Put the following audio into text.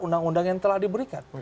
undang undang yang telah diberikan